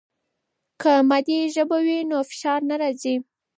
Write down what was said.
که مادي ژبه وي نو فشار نه راځي.